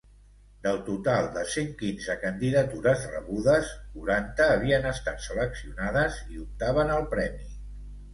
Del total de cent quinze candidatures rebudes, quaranta havien estat seleccionades i optaven al Premi.